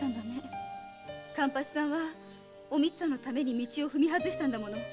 勘八さんはお光さんのために道を踏み外したんだもの。